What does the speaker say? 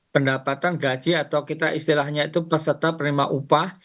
pendapatan gaji atau kita istilahnya itu peserta penerima upah